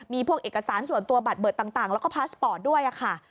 มีพวกเอกสารส่วนตัวบัตรเบิดต่างแล้วก็พาสปอร์ตด้วยค่ะ